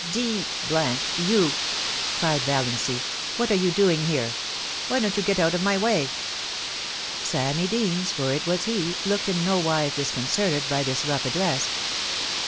* D — n you,' cried Vallancy. * What are you doing here ? Why don't you get out of my way ?* Sammy Deans, for it was he, looked in nowise discon certed by thb rough address. *Mr.